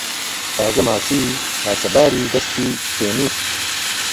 تازەماسیی تاسەباری دەستی تینووت